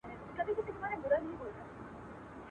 امير ئې ورکوي، شيخ مير ئې نه ورکوي.